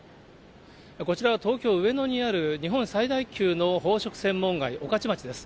こちらは東京・上野にある日本最大級の宝飾専門街、御徒町です。